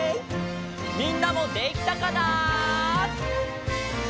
みんなもできたかな？